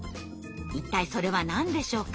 一体それは何でしょうか？